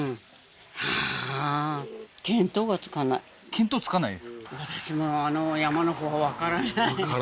見当つかないですか？